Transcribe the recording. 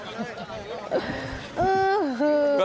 เอ๊ะคือ